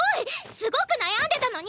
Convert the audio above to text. すごく悩んでたのに！